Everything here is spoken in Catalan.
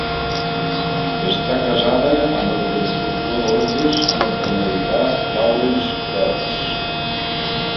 Està casada amb el constructor d'orgues nord-americà Lawrence Phelps.